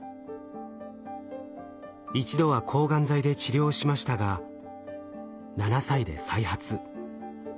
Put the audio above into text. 一度は抗がん剤で治療しましたが７歳で再発。